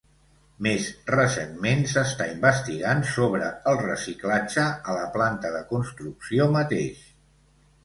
Més recentment, s'està investigant sobre el reciclatge a la planta de construcció mateix.